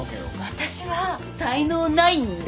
私は才能ないんで。